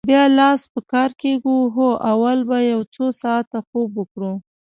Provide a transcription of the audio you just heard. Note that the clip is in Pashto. نو بیا لاس په کار کېږو؟ هو، اول به یو څو ساعته خوب وکړو.